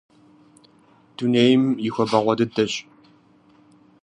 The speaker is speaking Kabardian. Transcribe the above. Дунейм и хуабэгъуэ дыдэщ.